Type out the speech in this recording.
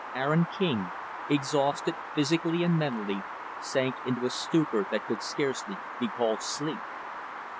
Aaron King, exhausted, physically and mentally, sank into a stupor that could scarcely be called sleep.